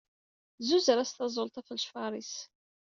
Zuzer-as taẓult ɣef lecfaṛ-is.